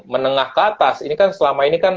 menengah ke atas ini kan selama ini kan